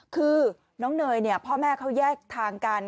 คือน้องเนยพ่อแม่เขาแยกทางกัน